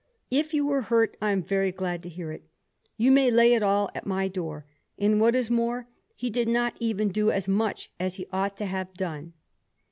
If you were hurt I am very glad to hear it. You may lay it all at my door, and, what is more, he did not even do as much as he ought to have done."